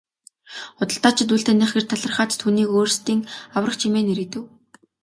Худалдаачид үл таних эрд талархаад түүнийг өөрсдийн аврагч хэмээн нэрийдэв.